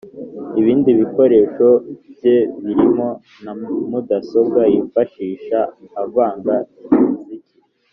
Ibindi bikoresho bye birimo na mudasobwa yifashisha avanga imiziki.